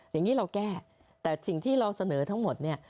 อย่างนี้เราแก้แต่สิ่งที่เราเสนอทั้งหมดเนี่ย